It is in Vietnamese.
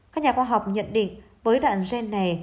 các nhà khoa học nhận định với đoạn gen này